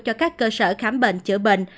cho các cơ sở khám bệnh chữa bệnh